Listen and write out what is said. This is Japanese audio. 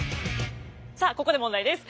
さあここで問題です。